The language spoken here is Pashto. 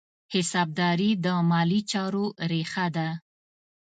حسابداري د مالي چارو ریښه ده.